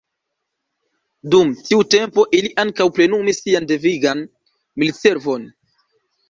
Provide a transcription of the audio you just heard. Dum tiu tempo li ankaŭ plenumis sian devigan militservon.